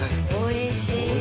おいしい。